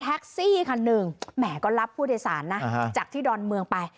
แท็กซี่คันหนึ่งมแหมก็รับปรูเดศาลจากที่ดอนเมืองไป